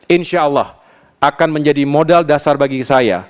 insyaallah akan menjadi modal dasar bagi saya